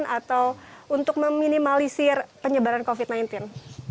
atau untuk meminimalisir penyebaran covid sembilan belas